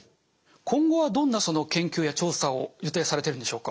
今後はどんな研究や調査を予定されてるんでしょうか？